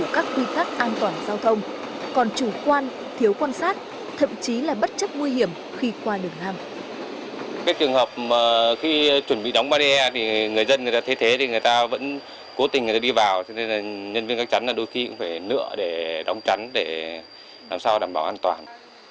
khi chuẩn bị đóng bá đe người dân thế thế thì người ta vẫn cố tình đi vào nên nhân viên các chắn đôi khi cũng phải nựa để đóng chắn để làm sao đảm bảo an toàn